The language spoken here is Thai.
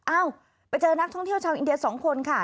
เอ้าไปเจอนักท่องเที่ยวชาวอินเดีย๒คนค่ะ